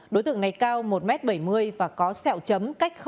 đối tượng này cao một m bảy mươi và có sẹo chấm cách